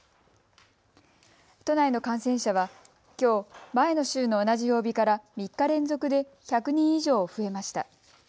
都内の感染者は、きょう前の週の同じ曜日から３日連続で１００人以上増えました。